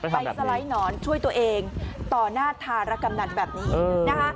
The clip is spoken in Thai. ไปสไล่หนอนช่วยตัวเองต่อหน้าทารกรรมนั่นแบบนี้เออ